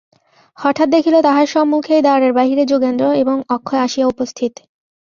হঠাৎ দেখিল, তাহার সম্মুখেই দ্বারের বাহিরে যোগেন্দ্র এবং অক্ষয় আসিয়া উপস্থিত।